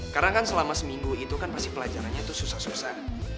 karena kan selama seminggu itu kan pasti pelajarannya tuh susah susah